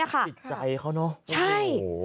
ติดใจเขาเนอะโอ้โฮโอ้โฮใช่